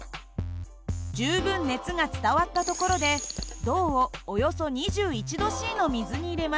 十分熱が伝わったところで銅をおよそ２１℃の水に入れます。